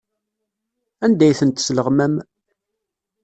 Anda ay tent-tesleɣmam?